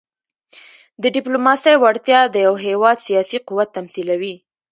د ډيپلوماسۍ وړتیا د یو هېواد سیاسي قوت تمثیلوي.